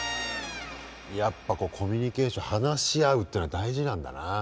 やっぱコミュニケーション話し合うっていうのは大事なんだな。